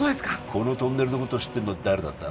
このトンネルのことを知ってるのは誰だった？